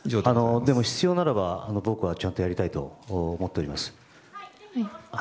でも、必要ならば僕はしたいと思っております。